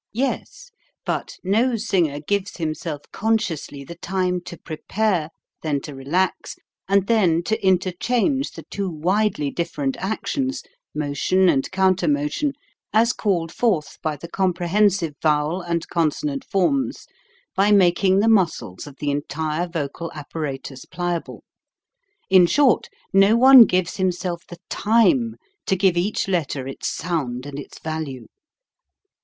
Yes, but no singer gives himself consciously the time to prepare, then to relax, and then to in terchange the two widely different actions (motion and counter motion) as called forth by the comprehensive vowel and consonant forms by making the muscles of the entire vocal apparatus pliable : in short, no one gives himself the time to give each letter its sound and its value.